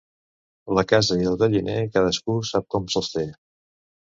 La casa i el galliner cadascú sap com se'ls té.